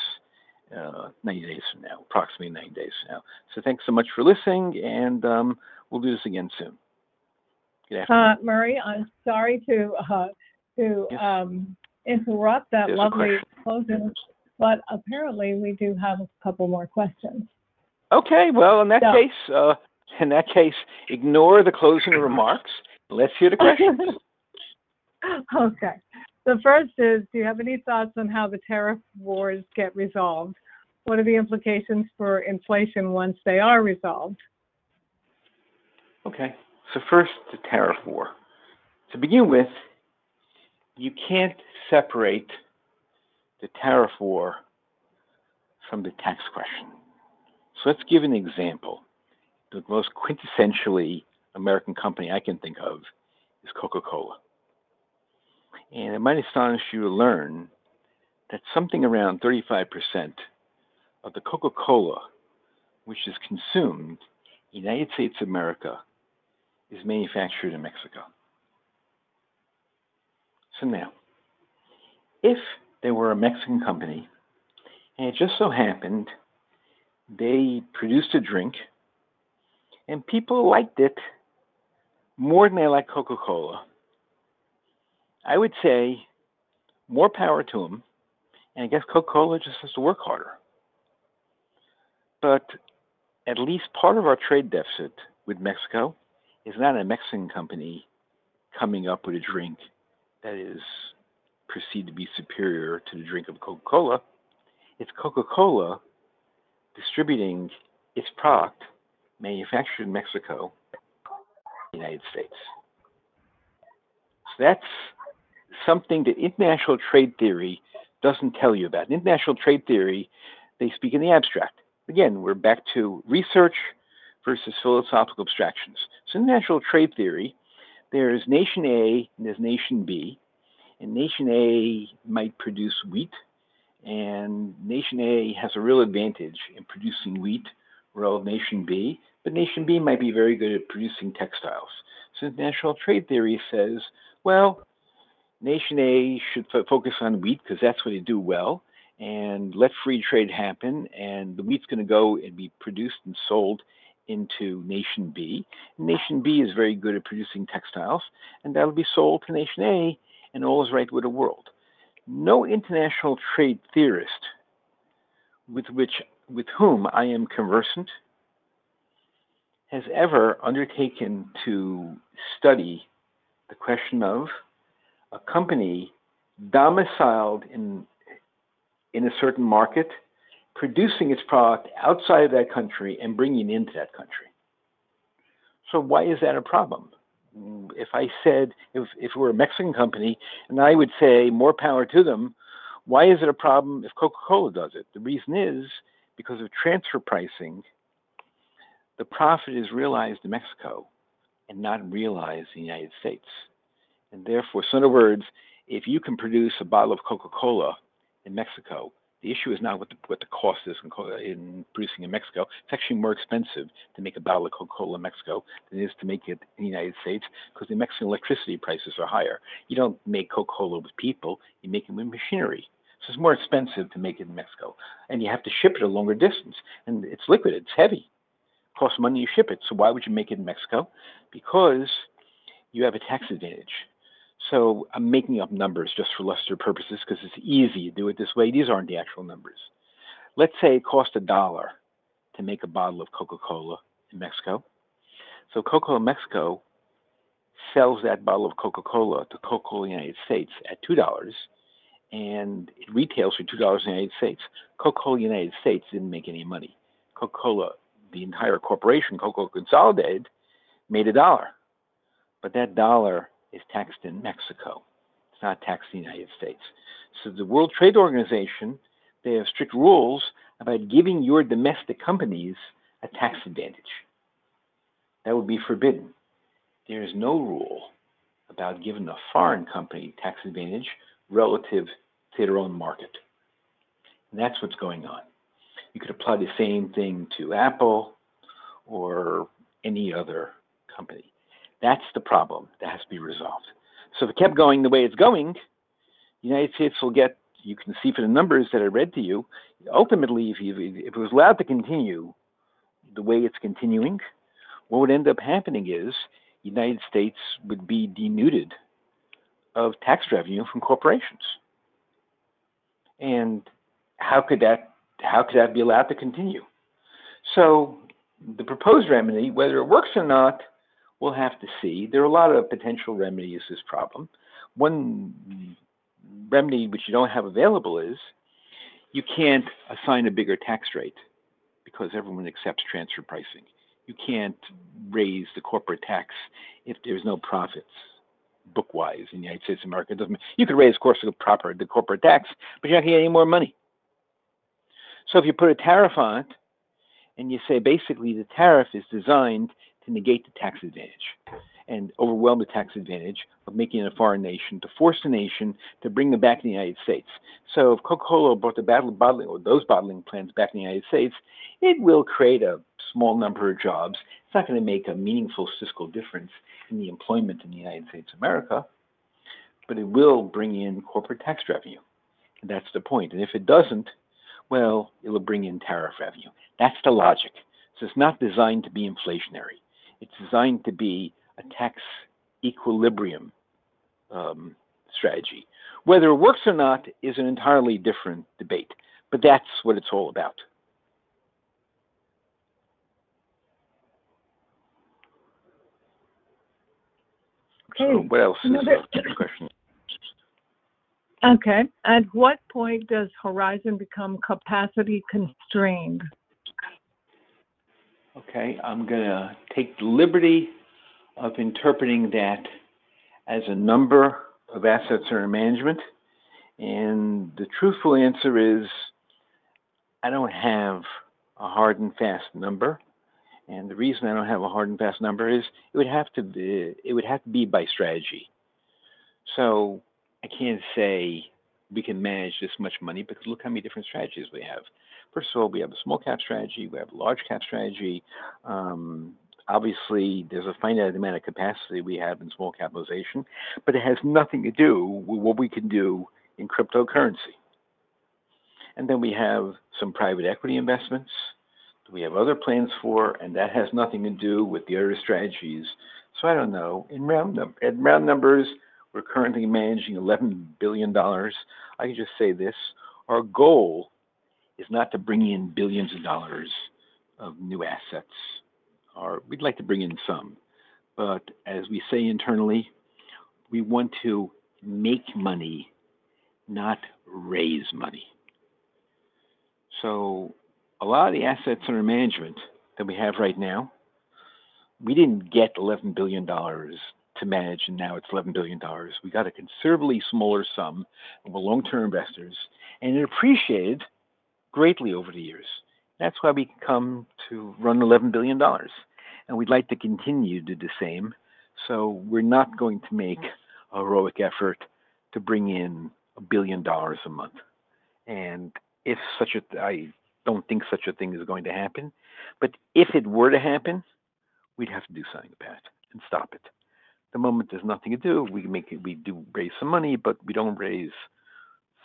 90 days from now, approximately 90 days from now. Thank you so much for listening, and we will do this again soon, good afternoon. Murray, I'm sorry to interrupt that lovely closing, but apparently, we do have a couple more questions. Okay! In that case, ignore the closing remarks, let's hear the questions. Okay. The first is, "do you have any thoughts on how the tariff wars get resolved? What are the implications for inflation once they are resolved?" Okay, first, the tariff war. To begin with, you can't separate the tariff war from the tax question. Let's give an example, the most quintessentially American company I can think of is Coca-Cola. It might astonish you to learn that something around 35% of the Coca-Cola which is consumed in the United States of America is manufactured in Mexico. Now, if they were a Mexican company, and it just so happened they produced a drink, and people liked it more than they liked Coca-Cola, I would say more power to them, and I guess Coca-Cola just has to work harder. At least part of our trade deficit with Mexico is not a Mexican company coming up with a drink that is perceived to be superior to the drink of Coca-Cola. It's Coca-Cola distributing its product manufactured in Mexico in the United States. That's something that international trade theory doesn't tell you about. In international trade theory, they speak in the abstract. Again, we're back to research versus philosophical abstractions. In international trade theory, there is Nation A, and there's Nation B. Nation A might produce wheat, and Nation A has a real advantage in producing wheat rather than Nation B. Nation B might be very good at producing textiles. International trade theory says, "Nation A should focus on wheat because that's what they do well, and let free trade happen, and the wheat's going to go and be produced and sold into Nation B. Nation B is very good at producing textiles, and that'll be sold to Nation A, and all is right with the world". No international trade theorist with whom I am conversant has ever undertaken to study the question of a company domiciled in a certain market producing its product outside of that country and bringing it into that country. Why is that a problem? If we were a Mexican company, and I would say more power to them, why is it a problem if Coca-Cola does it? The reason is because of transfer pricing, the profit is realized in Mexico and not realized in the United States. In other words, if you can produce a bottle of Coca-Cola in Mexico, the issue is not what the cost is in producing in Mexico. It's actually more expensive to make a bottle of Coca-Cola in Mexico than it is to make it in the United States because the Mexican electricity prices are higher. You don't make Coca-Cola with people, you make it with machinery, it is more expensive to make it in Mexico. You have to ship it a longer distance, it is liquid, it is heavy, it costs money to ship it. Why would you make it in Mexico? Because you have a tax advantage. I'm making up numbers just for luster purposes because it's easy to do it this way, these aren't the actual numbers. Let's say it costs $1 to make a bottle of Coca-Cola in Mexico, Coca-Cola Mexico sells that bottle of Coca-Cola to Coca-Cola United States at $2, and it retails for $2 in the United States. Coca-Cola United States didn't make any money. Coca-Cola, the entire corporation, Coca-Cola consolidated, made a dollar. That dollar is taxed in Mexico, it's not taxed in the United States. The World Trade Organization has strict rules about giving your domestic companies a tax advantage, that would be forbidden. There is no rule about giving a foreign company a tax advantage relative to their own market, that is what's going on. You could apply the same thing to Apple or any other company, that is the problem that has to be resolved. If it kept going the way it's going, the United States will get—you can see from the numbers that I read to you—ultimately, if it was allowed to continue the way it's continuing, what would end up happening is the United States would be denuded of tax revenue from corporations. How could that be allowed to continue? The proposed remedy, whether it works or not, we'll have to see. There are a lot of potential remedies to this problem. One remedy, which you don't have available, is you can't assign a bigger tax rate, because everyone accepts transfer pricing. You can't raise the corporate tax, if there's no profits book-wise in the United States of America. You could raise, of course, the corporate tax, but you're not going to get any more money. If you put a tariff on it, and you say basically the tariff is designed to negate the tax advantage and overwhelm the tax advantage of making it a foreign nation to force the nation to bring them back to the United States. If Coca-Cola brought those bottling plants back to the United States, it will create a small number of jobs. It's not going to make a meaningful fiscal difference in the employment in the United States of America, but it will bring in corporate tax revenue. That's the point. If it doesn't, it'll bring in tariff revenue. That's the logic, it's not designed to be inflationary, it's designed to be a tax equilibrium strategy. Whether it works or not is an entirely different debate, but that's what it's all about. Okay, what else? Okay, "at what point does Horizon become capacity constrained?" Okay, I'm going to take the liberty of interpreting that as a number of assets under management. The truthful answer, is I don't have a hard and fast number. The reason I don't have a hard and fast number, is it would have to be by strategy. I can't say we can manage this much money because look how many different strategies we have. First of all, we have a small-cap strategy, we have a large-cap strategy. Obviously, there's a finite amount of capacity we have in small capitalization, but it has nothing to do with what we can do in cryptocurrency. We have some private equity investments that we have other plans for, and that has nothing to do with the other strategies, I don't know. In round numbers, we're currently managing $11 billion, I can just say this. Our goal is not to bring in billions of dollars of new assets, we'd like to bring in some. As we say internally, we want to make money, not raise money. A lot of the assets under management that we have right now, we didn't get $11 billion to manage, and now it's $11 billion. We got a considerably smaller sum of long-term investors, and it appreciated greatly over the years. That's why we come to run $11 billion. We'd like to continue to do the same, we're not going to make a heroic effort to bring in a billion dollars a month, I don't think such a thing is going to happen. If it were to happen, we'd have to do something about it and stop it, at the moment, there's nothing to do. We do raise some money, but we do not raise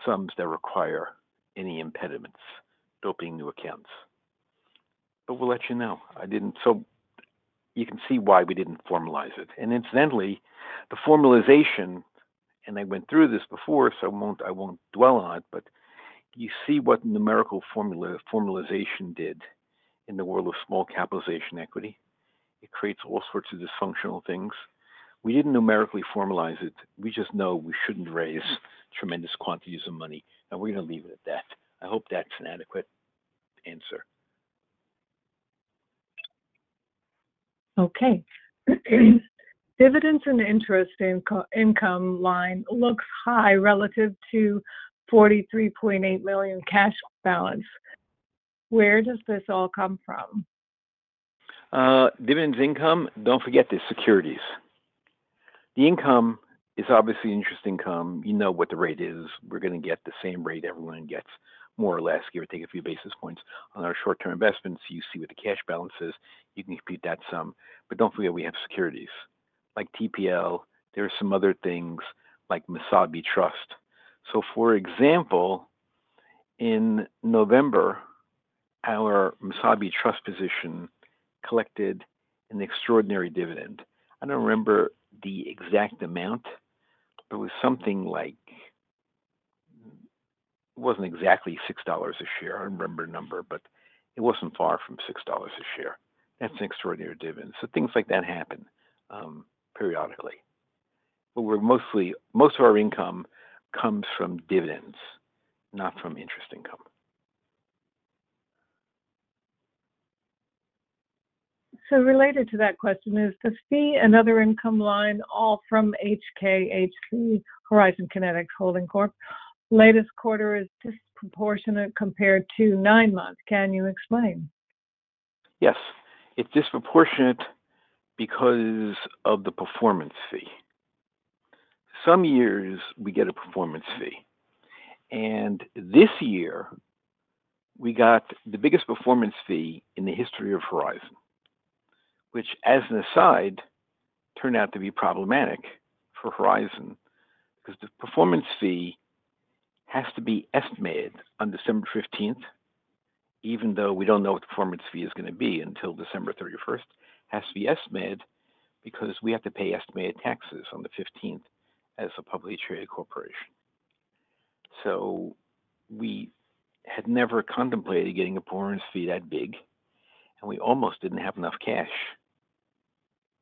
sums that require any impediments to opening new accounts. We will let you know, you can see why we did not formalize it. Incidentally, the formalization—and I went through this before, so I will not dwell on it—you see what numerical formalization did in the world of small capitalization equity, it creates all sorts of dysfunctional things. We did not numerically formalize it, we just know we should not raise tremendous quantities of money. We are going to leave it at that, I hope that is an adequate answer. Okay, "dividends and interest income line looks high relative to $43.8 million cash balance. Where does this all come from?" Dividends income, do not forget the securities. The income is obviously interest income, you know what the rate is. We are going to get the same rate everyone gets more or less, give or take a few basis points on our short-term investments. You see what the cash balance is, you can compute that sum. Do not forget we have securities, like TPL, there are some other things like Mesabi Trust. For example, in November, our Mesabi Trust position collected an extraordinary dividend. I do not remember the exact amount, but it was something like—it was not exactly $6 a share. I do not remember the number, but it was not far from $6 a share. That is an extraordinary dividend, things like that happen periodically. Most of our income comes from dividends, not from interest income. Related to that question, is the fee and other income line all from HKHC Horizon Kinetics Holding Corp.? Latest quarter is disproportionate compared to nine months. Can you explain?" Yes, it's disproportionate because of the performance fee. Some years, we get a performance fee. This year, we got the biggest performance fee in the history of Horizon, which, as an aside, turned out to be problematic for Horizon because the performance fee has to be estimated on December 15th, even though we don't know what the performance fee is going to be until December 31st. It has to be estimated because we have to pay estimated taxes on the 15th, as a publicly traded corporation. We had never contemplated getting a performance fee that big, and we almost didn't have enough cash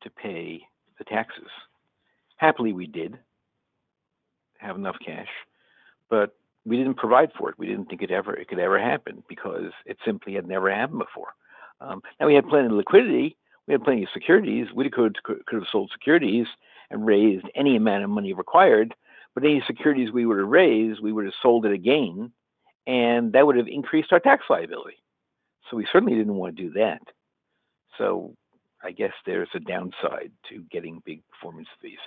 to pay the taxes. Happily, we did have enough cash, but we didn't provide for it. We didn't think it could ever happen because it simply had never happened before. Now, we had plenty of liquidity, we had plenty of securities. We could have sold securities and raised any amount of money required. Any securities we would have raised, we would have sold at a gain, and that would have increased our tax liability. We certainly didn't want to do that, I guess there's a downside to getting big performance fees.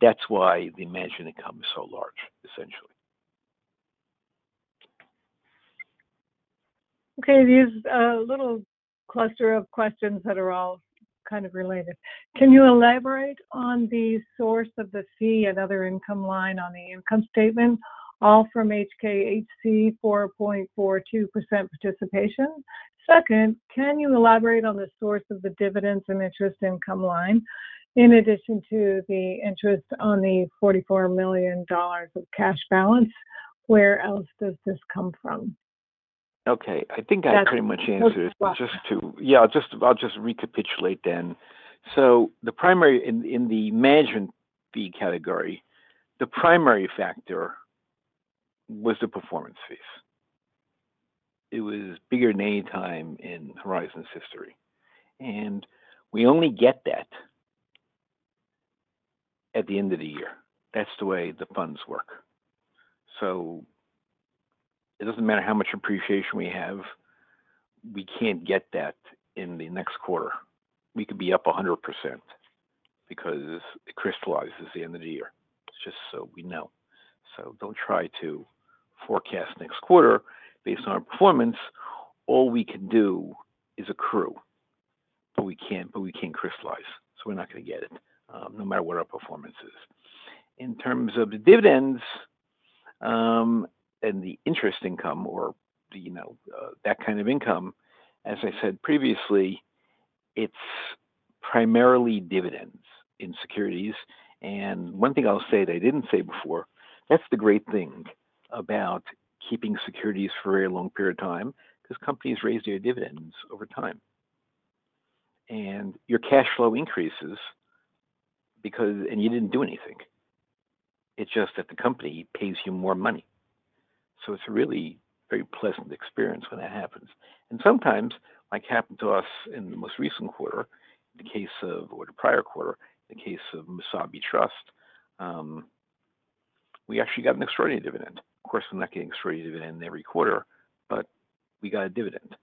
That's why the management income is so large, essentially. Okay, these little cluster of questions that are all kind of related. "Can you elaborate on the source of the fee and other income line on the income statement, all from HKHC 4.42% participation? Second, can you elaborate on the source of the dividends and interest income line in addition to the interest on the $44 million of cash balance? Where else does this come from?" Okay, I think I pretty much answered it. That's fine. Yeah, I'll just recapitulate then. In the management fee category, the primary factor was the performance fees. It was bigger than any time in Horizon's history, we only get that at the end of the year. That's the way the funds work, it does not matter how much appreciation we have. We can't get that in the next quarter. We could be up 100%, because it crystallizes at the end of the year. It is just so we know, do not try to forecast next quarter based on our performance. All we can do is accrue, but we cannot crystallize. We are not going to get it no matter what our performance is. In terms of the dividends, and the interest income or that kind of income, as I said previously, it is primarily dividends in securities. One thing I'll say that I didn't say before, that's the great thing about keeping securities for a very long period of time because companies raise their dividends over time. Your cash flow increases, because you didn't do anything. It's just that the company pays you more money. It's a really very pleasant experience when that happens. Sometimes, like happened to us in the most recent quarter, in the case of, or the prior quarter, in the case of Mesabi Trust, we actually got an extraordinary dividend. Of course, we're not getting extraordinary dividend every quarter, but we got a dividend.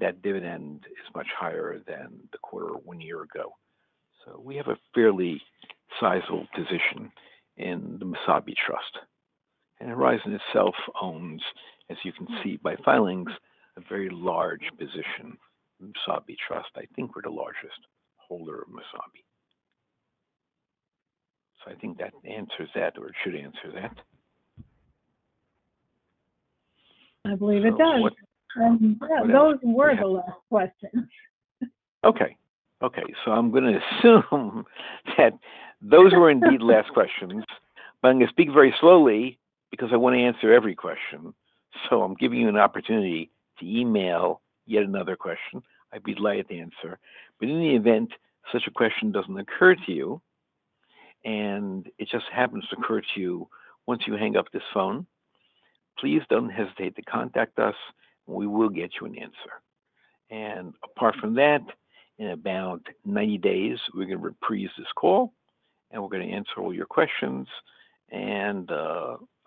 That dividend is much higher than the quarter one year ago. We have a fairly sizable position in the Mesabi Trust. Horizon itself owns, as you can see by filings, a very large position. Mesabi Trust, I think, we're the largest holder of Mesabi. I think that answers that, or it should answer that. I believe it does, those were the last questions. Okay, okay. I'm going to assume that those were indeed the last questions. I'm going to speak very slowly, because I want to answer every question. I'm giving you an opportunity to email yet another question. I'd be delighted to answer, in the event such a question doesn't occur to you, and it just happens to occur to you once you hang up this phone, please don't hesitate to contact us, and we will get you an answer. Apart from that, in about 90 days, we're going to reprise this call, and we're going to answer all your questions.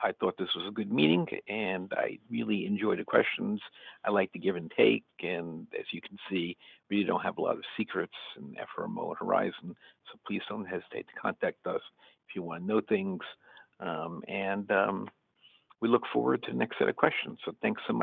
I thought this was a good meeting, and I really enjoyed the questions, I like the give and take. As you can see, we don't have a lot of secrets in FRMO and Horizon. Please do not hesitate to contact us if you want to know things, we look forward to the next set of questions, thanks so much.